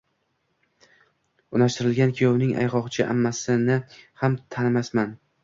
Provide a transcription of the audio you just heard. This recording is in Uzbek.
Unashtirilgan kuyovining ayg`oqchi ammasini ham tanimasam